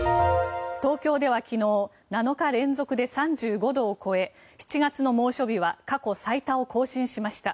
東京では昨日７日連続で３５度を超え７月の猛暑日は過去最多を更新しました。